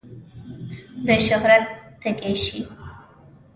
د شهرت تږی شي.